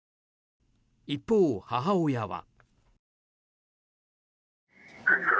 一方、母親は。